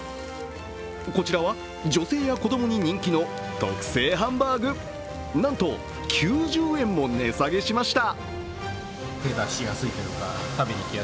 こちらは女性や子どもに人気に特製ハンバーグなんと９０円も値下げしました。